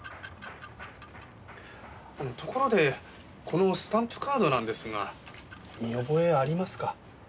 ところでこのスタンプカードなんですが見覚えありますか？